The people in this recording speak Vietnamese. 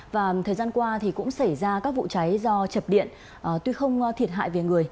và thời gian qua thì cũng xảy ra các vụ cháy do chập điện tuy không thiệt hại về người